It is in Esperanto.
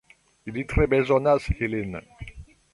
Ili tre bezonas ilin.